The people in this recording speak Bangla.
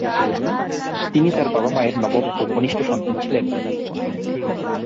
তিনি তার বাবা-মায়ের নবম ও কনিষ্ঠ সন্তান ছিলেন।